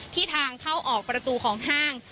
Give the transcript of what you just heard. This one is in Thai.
ทางเข้าออกประตูของห้าง